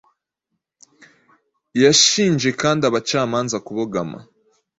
Yashinje kandi abacamanza kubogama